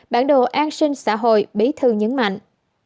bản đồ an sinh xã hội bí thư nhấn mạnh